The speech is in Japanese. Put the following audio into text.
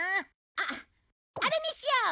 あっあれにしよう！